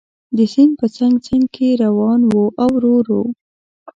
د سیند په څنګ څنګ کې روان و او ورو ورو.